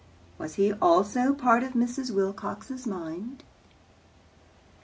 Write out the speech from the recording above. Was he also part of Mrs. Wilcox's mind?